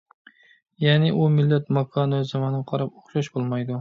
يەنى، ئۇ، مىللەت، ماكان ۋە زامانغا قاراپ ئوخشاش بولمايدۇ.